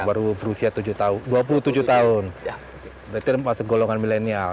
baru berusia tujuh tahun dua puluh tujuh tahun berarti masuk golongan milenial